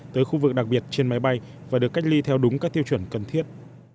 tới khu vực đặc biệt trên máy bay và được cách ly theo đúng các tiêu chuẩn cần thiết